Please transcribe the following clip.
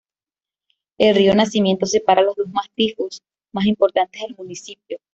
El río Nacimiento separa los dos macizos más importantes del municipio.